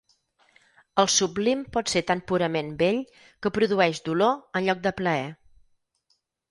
El sublim pot ser tan purament bell que produeix dolor en lloc de plaer.